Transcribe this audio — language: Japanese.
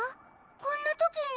こんなときに。